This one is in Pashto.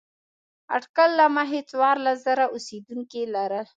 اټکل له مخې څوارلس زره اوسېدونکي لرل.